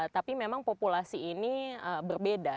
tapi memang populasi ini berbeda